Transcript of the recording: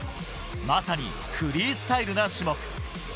まさにフリースタイルな種目。